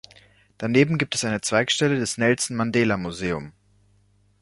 Daneben gibt es eine Zweigstelle des "Nelson Mandela Museum.